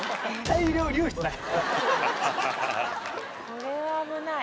これは危ない。